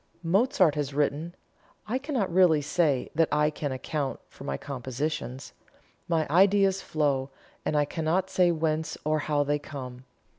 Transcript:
Mozart has written: "I cannot really say that I can account for my compositions. My ideas flow, and I cannot say whence or how they come.